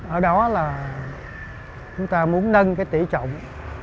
ở đó là chúng ta muốn nâng tỉ trọng